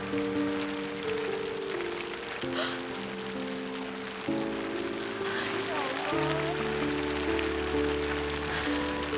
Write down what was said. kasih kebahagiaan untuk ibu